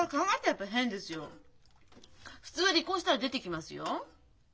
普通は離婚したら出ていきますよ。